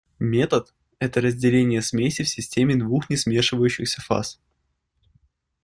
Метод – это разделение смеси в системе двух несмешивающихся фаз.